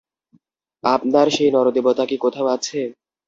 আপনার সেই নরদেবতা কি কোথাও আছে?